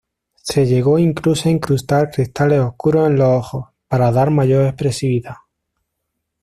Se llegó incluso a incrustar cristales oscuros en los ojos, para dar mayor expresividad.